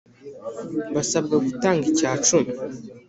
basabwa gutanga icya cumi